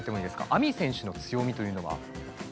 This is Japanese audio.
ＡＭＩ選手の強みというのは？